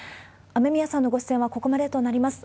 雨宮さんのご出演はここまでとなります。